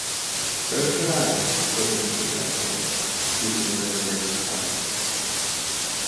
‘So should I,’ said Mr. Tupman, speaking for the first time.